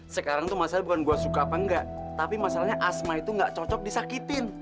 sekarang tuh masalah bukan gue suka apa enggak tapi masalahnya asma itu nggak cocok disakitin